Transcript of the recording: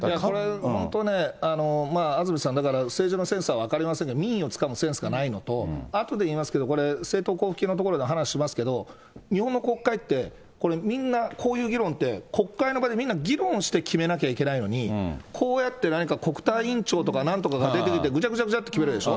本当ね、安住さん、だから、政治のセンスは分かりませんけど、民意をつかむセンスがないのと、あとで言いますけど、これ、政党交付金のところで話しますけど、日本の国会って、これ、みんな、こういう議論って、国会の場でみんな議論して決めなきゃいけないのに、こうやって何か国対委員長とかなんとかが出てきて、ぐちゃぐちゃぐちゃぐちゃっと決めるでしょ？